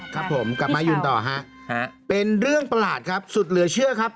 ครับผมกลับมายืนต่อฮะเป็นเรื่องประหลาดครับสุดเหลือเชื่อครับ